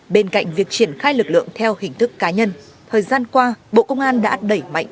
bên cạnh việc triển khai lực lượng theo hình thức cá nhân thời gian qua bộ công an đã đẩy mạnh